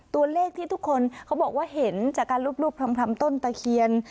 ตัวเลขที่ทุกคนเขาบอกว่าเห็นจากการรูปพร่ำต้นตะเคียน